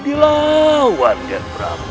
dilawan ger prabu